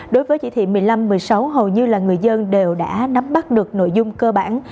đối với chỉ thị một mươi năm một mươi sáu hầu như là người dân đều đã nắm bắt được nội dung cơ bản